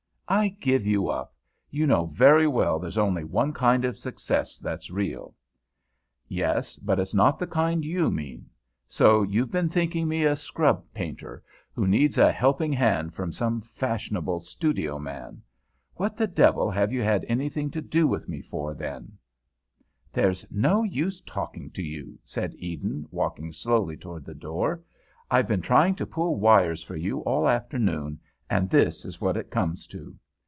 "I give you up. You know very well there's only one kind of success that's real." "Yes, but it's not the kind you mean. So you've been thinking me a scrub painter, who needs a helping hand from some fashionable studio man? What the devil have you had anything to do with me for, then?" "There's no use talking to you," said Eden walking slowly toward the door. "I've been trying to pull wires for you all afternoon, and this is what it comes to."